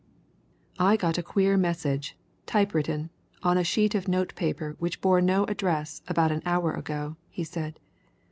"I got a queer message typewritten on a sheet of notepaper which bore no address, about an hour ago," he said.